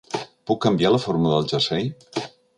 Puc canviar la forma del jersei?